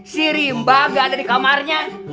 si rimba gak ada di kamarnya